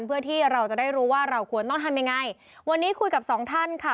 เพื่อที่เราจะได้รู้ว่าเราควรต้องทำยังไงวันนี้คุยกับสองท่านค่ะ